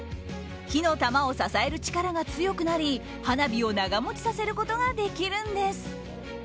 火の玉を支える力が強くなり花火を長持ちさせることができるんです。